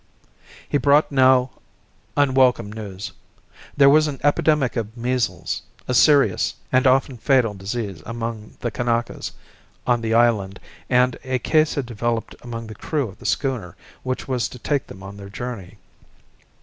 He brought now unwelcome news. There was an epidemic of measles, a serious and often fatal disease among the Kanakas, on the island, and a case had developed among the crew of the schooner which was to take them on their journey.